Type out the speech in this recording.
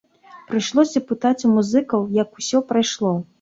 Прыйшлося пытаць у музыкаў, як усё прайшло.